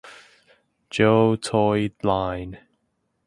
Joe toy line.